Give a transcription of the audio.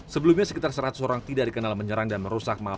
sebelumnya sekitar seratus orang tidak dikenal menyerang dan merusak